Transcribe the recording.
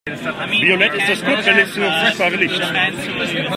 Violett ist das kurzwelligste noch sichtbare Licht.